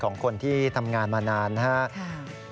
สองคนที่ทำงานมานานนะครับ